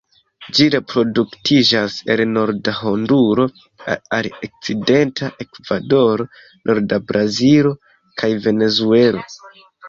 Ĝi reproduktiĝas el norda Honduro al okcidenta Ekvadoro, norda Brazilo kaj Venezuelo.